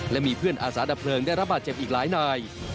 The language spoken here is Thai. และมีเพื่อนอาสาดับเพลิงได้รับบาดเจ็บอีกหลายนาย